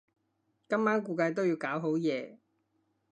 今晚估計都要搞好夜